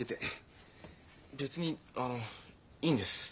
別にあのいいんです。